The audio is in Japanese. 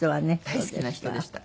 大好きな人でした。